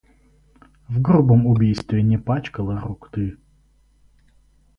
В грубом убийстве не пачкала рук ты.